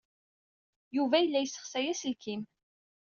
Yuba yella yessexsay aselkim.